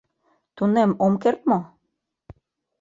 Тунем ом керт мо?